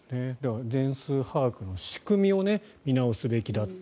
全数把握の仕組みを見直すべきだと。